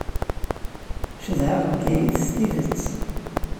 Cedhaɣ Bgayet s tidet.